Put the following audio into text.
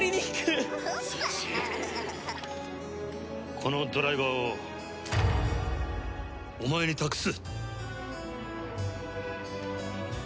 このドライバーをお前に託す。